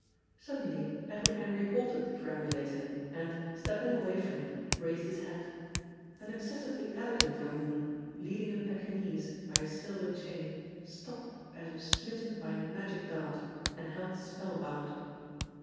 Suddenly Edward Henry halted the perambulator and, stepping away from it, raised his hat. An excessively elegant young woman leading a Pekinese by a silver chain stopped as if smitten by a magic dart and held spellbound.